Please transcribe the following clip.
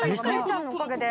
ちゃんのおかげで。